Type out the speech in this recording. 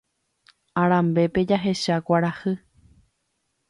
Arambépe jahecha kuarahy